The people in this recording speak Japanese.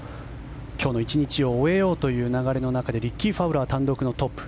今日の１日を終えようという流れの中でリッキー・ファウラー単独のトップ。